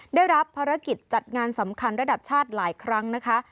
ได้รับภารกิจจัดงานสำคัญระดับชาติหลายครั้งนะคะ